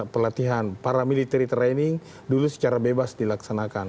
pelatihan paramilitary training dulu secara bebas dilaksanakan